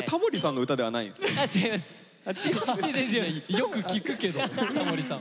よく聞くけどタモリさん。